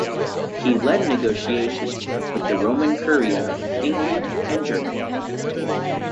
He led negotiations with the Roman Curia, England and Germany.